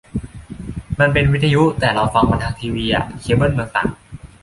มันเป็นวิทยุ แต่เราฟังมันทางทีวีอ่ะ เคเบิลเมืองตาก